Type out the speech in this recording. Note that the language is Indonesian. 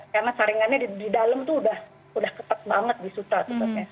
karena saringannya di dalam itu udah udah ketat banget disuruh